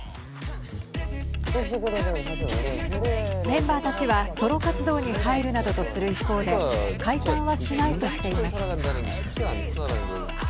メンバーたちはソロ活動に入るなどとする一方で解散はしないとしています。